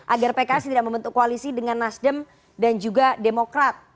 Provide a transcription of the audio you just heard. agar pks tidak membentuk koalisi dengan nasdem dan juga demokrat